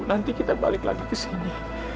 nanti kita balik lagi ke sini